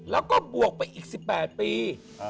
แล้วก็บวกไปอีก๑๘ปี